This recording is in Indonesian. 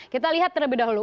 kita lihat terlebih dahulu